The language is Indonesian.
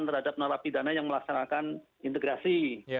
terhadap narapidana yang melaksanakan integrasi